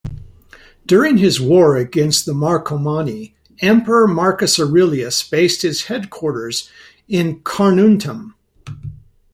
During his war against the Marcomanni, Emperor Marcus Aurelius based his headquarters in Carnuntum.